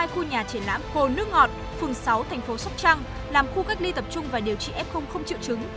hai khu nhà triển lãm hồ nước ngọt phường sáu tp sóc trăng làm khu cách ly tập trung và điều trị ép không không triệu chứng